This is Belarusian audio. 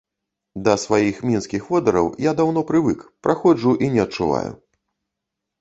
Да сваіх мінскіх водараў я даўно прывык, праходжу і не адчуваю.